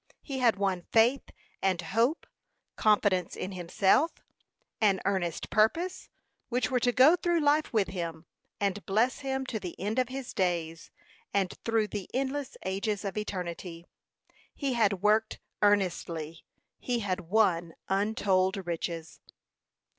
He had won faith and hope, confidence in himself, an earnest purpose, which were to go through life with him, and bless him to the end of his days, and through the endless ages of eternity. He had worked earnestly; he had won untold riches.